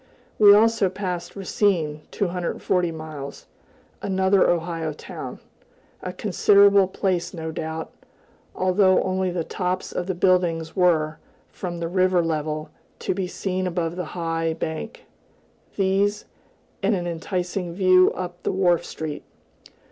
We also passed Racine (240 miles), another Ohio town a considerable place, no doubt, although only the tops of the buildings were, from the river level, to be seen above the high bank; these, and an enticing view up the wharf street.